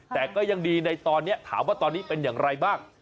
แต่ก็ยังดีในตอนนี้ถามว่าตอนนี้เป็นอย่างไรบ้าง